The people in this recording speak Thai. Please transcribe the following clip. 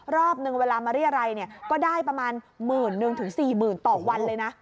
รอบนึงเวลามาเรียรัยก็ได้ประมาณ๑๐๐๐๐๔๐๐๐๐ต่อวันเลยนะ